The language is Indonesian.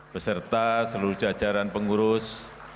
beserta seluruh jajaran pengurus